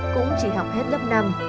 cũng chỉ học hết lớp năm